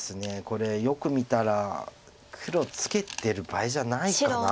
これよく見たら黒ツケてる場合じゃないかな。